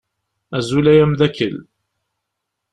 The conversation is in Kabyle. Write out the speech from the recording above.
Azul ay amdakel.